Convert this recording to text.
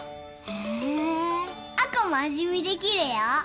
へぇ亜子も味見できるよ。